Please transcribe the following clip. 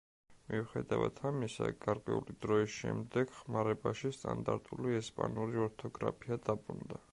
მიუხედავად ამისა, გარკვეული დროის შემდეგ ხმარებაში სტანდარტული ესპანური ორთოგრაფია დაბრუნდა.